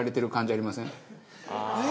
「ああ！」